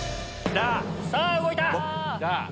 さぁ動いた！